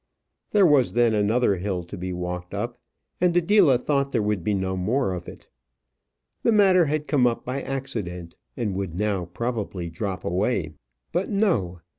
There was then another hill to be walked up, and Adela thought there would be no more of it. The matter had come up by accident, and would now, probably, drop away. But no.